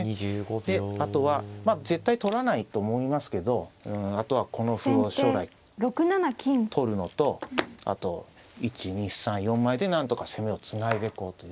であとは絶対取らないと思いますけどあとはこの歩を将来取るのとあと１２３４枚でなんとか攻めをつないでこうという。